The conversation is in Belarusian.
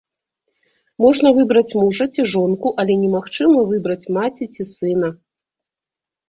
Можна выбраць мужа ці жонку, але немагчыма выбраць маці ці сына.